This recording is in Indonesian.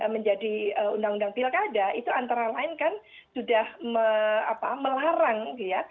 menjadi undang undang pilkada itu antara lain kan sudah melarang gitu ya